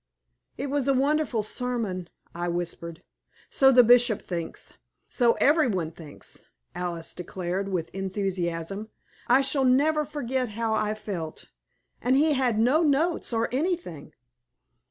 "It was a wonderful sermon," I whispered. "So the Bishop thinks; so every one thinks," Alice declared, with enthusiasm. "I shall never forget how I felt. And he had no notes, or anything."